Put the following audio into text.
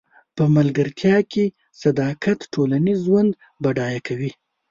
په ملګرتیا کې صداقت ټولنیز ژوند بډای کوي.